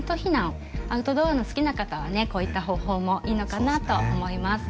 アウトドアの好きな方はねこういった方法もいいのかなと思います。